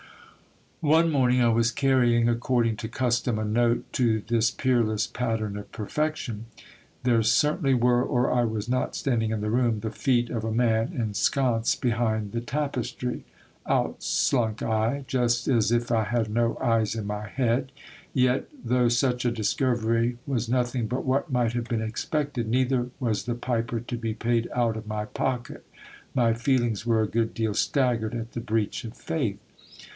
One morning I was carrying, according to custom, a note to this peerless pattern of perfection. There certainly were, or I was not standing in the room, the feet of a man ensconced behind the tapestiy. Out slunk I, just as if I had no eyes in my head ; yet, though such a discovery was nothing but what might have been expected, neither was the piper to be paid out of my pocket, my feelings were a good deal staggered at the breach of faith.